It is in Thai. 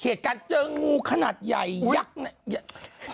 เหตุการณ์เจองูขนาดใหญ่ยักษ์เนี่ย